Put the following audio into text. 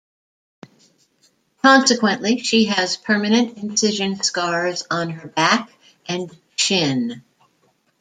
Consequently, she has permanent incision scars on her back and shin.